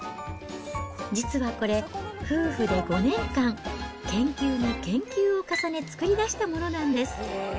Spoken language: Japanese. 実はこれ、夫婦で５年間、研究に研究を重ね作り出したものなんです。